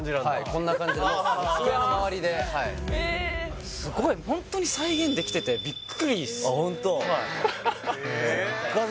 こんな感じで机の周りですごいホントに再現できててビックリっすあホント？